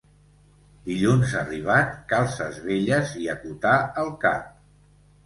Dilluns arribat, calces velles i acotar el cap.